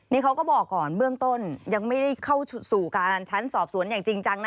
นี่เขาก็บอกก่อนเบื้องต้นยังไม่ได้เข้าสู่การชั้นสอบสวนอย่างจริงจังนะ